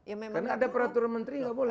karena ada peraturan menteri gak boleh